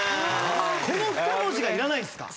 この２文字がいらないんすか？